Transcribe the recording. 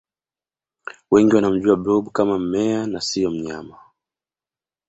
wengi wanamjua blob kama mmea na siyo mnyama